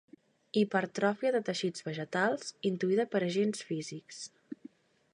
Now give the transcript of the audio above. Hipertròfia de teixits vegetals induïda per agents físics.